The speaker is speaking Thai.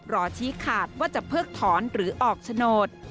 ชี้ขาดว่าจะเพิกถอนหรือออกโฉนด